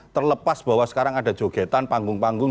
terlepas bahwa sekarang ada jogetan panggung panggung